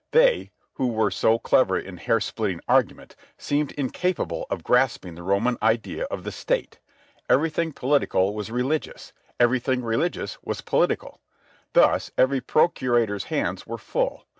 They, who were so clever in hair splitting argument, seemed incapable of grasping the Roman idea of the State. Everything political was religious; everything religious was political. Thus every procurator's hands were full.